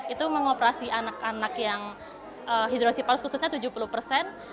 itu mengoperasi anak anak yang hidrosiparus khususnya tujuh puluh persen